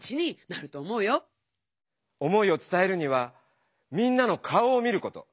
思いを伝えるにはみんなの顔を見ること。